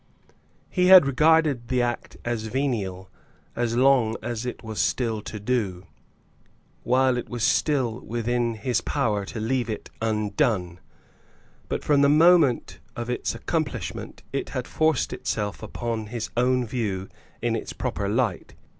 He had regarded the act as venial as long as it was still to do, while it was still within his power to leave it undone; but from the moment of its accomplishment it had forced itself upon his own view in its proper light.